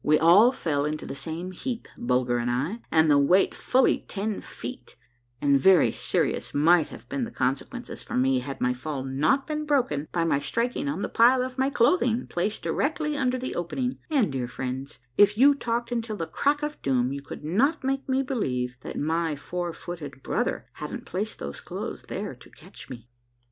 We all fell into the same heap, Bulger, I, and the weight, fully ten feet, and very serious might have been the consequences for me had my fall not been broken by my striking on the pile of my clothing placed directly under the opening; and, dear friends, if you talked until the crack o' doom you could not make me believe that my four footed brotlier hadn't placed those clothes there to catch me.